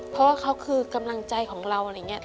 เพราะว่าเขาคือกำลังใจของเราอะไรอย่างนี้